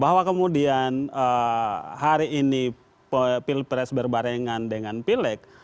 bahwa kemudian hari ini pilpres berbarengan dengan pileg